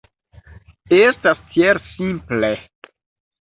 Estas tiel simple!